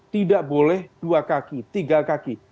tidak boleh dua kaki tiga kaki